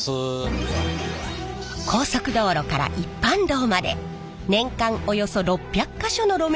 高速道路から一般道まで年間およそ６００か所の路面